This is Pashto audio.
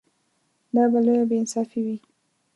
دا به لویه بې انصافي وي.